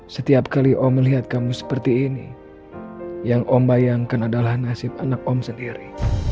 setiap kali om melihat kamu seperti ini yang om bayangkan adalah nasib anak om sendiri